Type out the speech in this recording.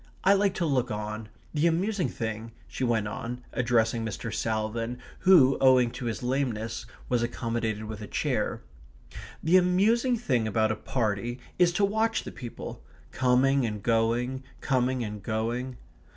I like to look on. The amusing thing," she went on, addressing Mr. Salvin, who, owing to his lameness, was accommodated with a chair, "the amusing thing about a party is to watch the people coming and going, coming and going."